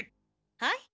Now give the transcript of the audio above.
はい。